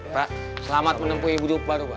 pak selamat menempuhi budi baru pak